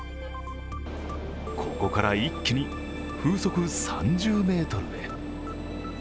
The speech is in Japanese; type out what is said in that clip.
ここから一気に風速３０メートルへ。